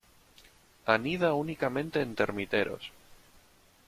Anida únicamente en termiteros.